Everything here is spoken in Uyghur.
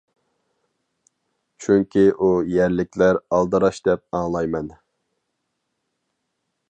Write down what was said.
چۈنكى ئۇ يەرلىكلەر ئالدىراش دەپ ئاڭلايمەن.